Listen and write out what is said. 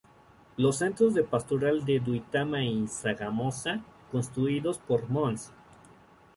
Los centro de Pastoral de Duitama y Sogamoso, construidos por Mons.